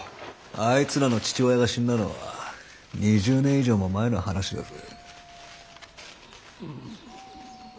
あいつらの父親が死んだのは２０年以上も前の話だぜ。